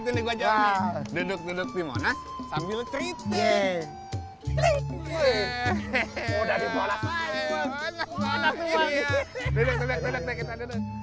duduk duduk di monas sambil cerita